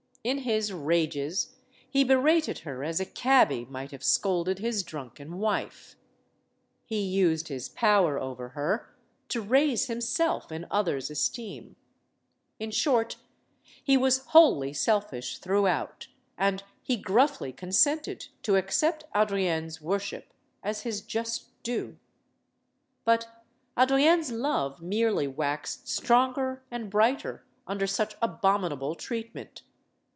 In his rages he berated her as a cabby might have scolded his drunken wife. He used his power over her to raise hirnself in others* esteem. In short, he was wholly sel fish throughout, and he gruffly consented to accept Adrienne's worship as his just due. But Adrienne's love merely waxed stronger and brighter under such abominable treatment.